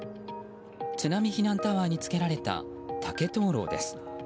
津波避難タワーにつけられた竹灯籠です。